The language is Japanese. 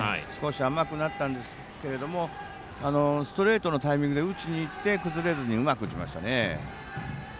少し甘くなったんですけれどもストレートのタイミングで打ちにいって崩れずにうまく打ちましたね。